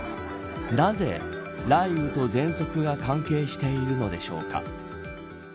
なぜ、雷雨とぜんそくが関係しているのでしょうか。